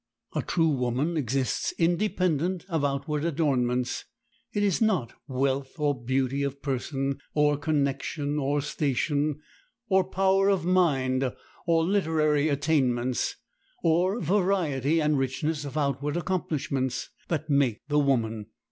A true woman exists independent of outward adornments. It is not wealth, or beauty of person, or connection, or station, or power of mind, or literary attainments, or variety and richness of outward accomplishments, that make the woman.